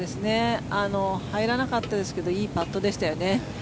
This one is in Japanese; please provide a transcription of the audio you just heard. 入らなかったですけどいいパットでしたよね。